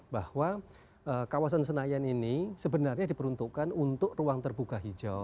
bahwa kawasan senayan ini sebenarnya diperuntukkan untuk ruang terbuka hijau